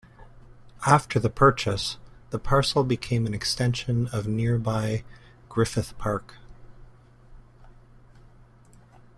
After the purchase, the parcel became an extension of nearby Griffith Park.